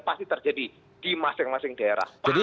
pasti terjadi di masing masing daerah